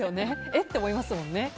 え？って思いますよね。